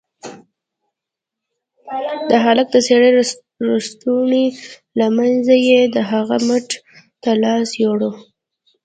د هلك د څيرې لستوڼي له منځه يې د هغه مټ ته لاس يووړ.